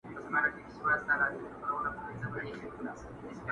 o انسان د کاله خوښ ښه دئ، نه د مېلمانه٫